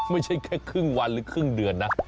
ไม่ใช่แค่ครึ่งวันหรือครึ่งเดือนนะ